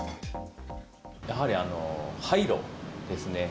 やはり廃炉ですね。